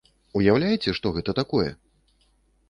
Уяўляеце, што гэта такое?!